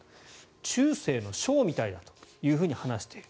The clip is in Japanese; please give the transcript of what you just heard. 中世のショーみたいだと話している。